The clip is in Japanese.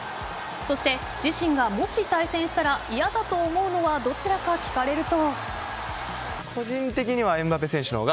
そして、自身がもし対戦したら嫌だと思うのはどちらか聞かれると。